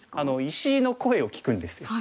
石の声を聞くんですよ。